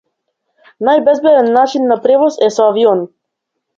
Најбезбеден начин на превоз е со авион.